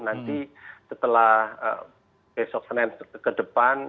nanti setelah besok senin ke depan